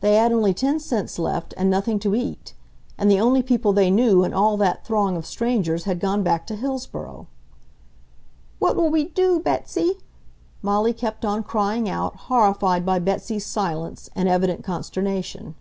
They had only ten cents left, and nothing to eat. And the only people they knew in all that throng of strangers had gone back to Hillsboro. "What will we do, Betsy?" Molly kept on crying out, horrified by Betsy's silence and evident consternation.